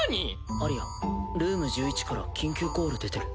アリヤルーム１１から緊急コール出てる。